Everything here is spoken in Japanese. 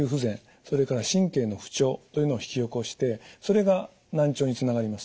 それから神経の不調というのを引き起こしてそれが難聴につながります。